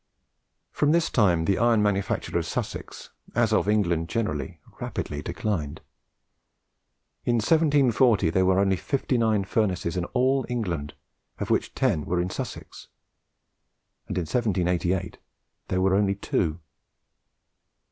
From this time the iron manufacture of Sussex, as of England generally, rapidly declined. In 1740 there were only fifty nine furnaces in all England, of which ten were in Sussex; and in 1788 there were only two.